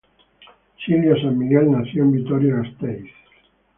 Silvia San Miguel nació en Vitoria-Gasteiz.